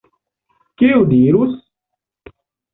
Kiu dirus?